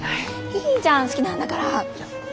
いいじゃん好きなんだから！